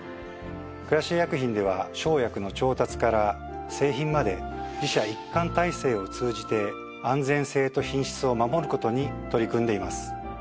クラシエ薬品では生薬の調達から製品まで自社一貫体制を通じて安全性と品質を守る事に取り組んでいます。